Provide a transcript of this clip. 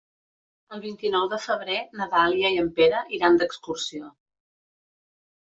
El vint-i-nou de febrer na Dàlia i en Pere iran d'excursió.